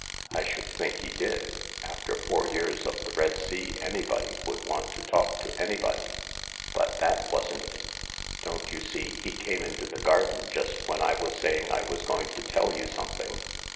" I should think he did ! After four years of the Red Sea anybody would want to talk to anybody. But that wasn't it. Don't you see, he came into the garden just when I was saying I was going to tell you something.